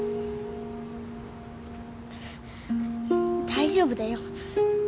大丈夫だよ。